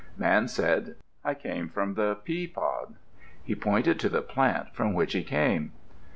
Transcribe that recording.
Man said, "I came from the pea pod." He pointed to the plant from which he came.